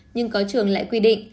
nhưng có trường lại quy định